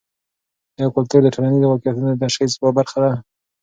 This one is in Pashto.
ایا کلتور د ټولنیزو واقعیتونو د تشخیص یوه برخه ده؟